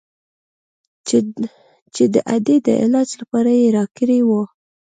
چې د ادې د علاج لپاره يې راکړى و.